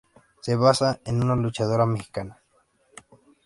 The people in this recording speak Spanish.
Se basa en una luchadora Mexicana.